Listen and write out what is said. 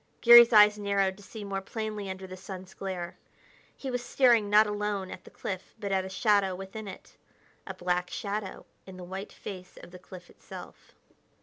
Garry's eyes narrowed to see more plainly under the sun's glare. He was staring not alone at the cliff but at a shadow within it a black shadow in the white face of the cliff itself.